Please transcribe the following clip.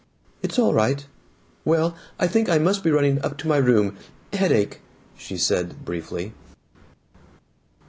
"It's all right. Well, I think I must be running up to my room. Headache," she said briefly.